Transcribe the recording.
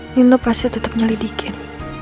nino pasti tetap menyelidikin